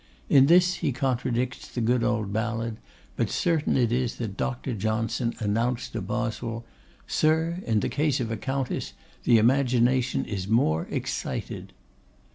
In this he contradicts the good old ballad; but certain it is that Dr. Johnson announced to Boswell, 'Sir, in the case of a Countess the imagination is more excited.